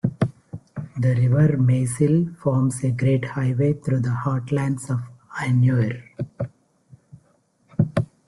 The river Maesil forms a great highway through the heartlands of Anuire.